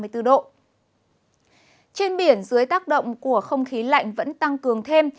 trên biển dưới tác động của không khí lạnh vẫn tăng cường thêm